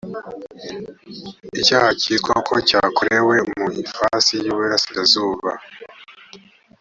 icyaha cyitwa ko cyakorewe mu ifasi y uburasirazuba